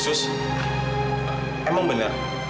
sus emang benar